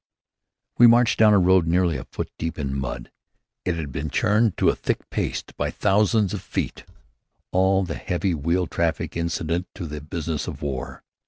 We marched down a road nearly a foot deep in mud. It had been churned to a thick paste by thousands of feet and all the heavy wheel traffic incident to the business of war.